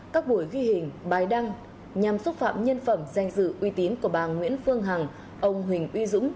các buổi ghi hình bài đăng nhằm xúc phạm nhân phẩm danh dự uy tín của bà nguyễn phương hằng ông huỳnh uy dũng